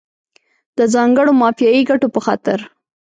د ځانګړو مافیایي ګټو په خاطر.